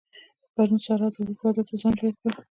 پرون سارا د ورور واده ته ځان جوړ کړ.